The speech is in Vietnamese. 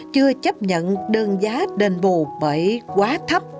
chưa chấp nhận đơn giá đền bù bởi quá thấp